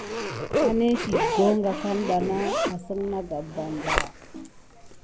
Anesiti goka vikine bana asine na kogan ba.